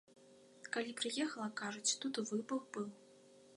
Калі прыехала, кажуць, тут выбух быў.